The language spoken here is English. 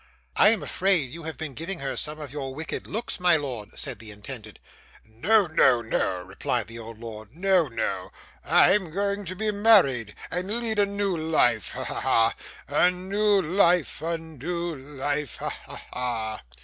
'I am afraid you have been giving her some of your wicked looks, my lord,' said the intended. 'No, no, no,' replied the old lord, 'no, no, I'm going to be married, and lead a new life. Ha, ha, ha! a new life, a new life! ha, ha, ha!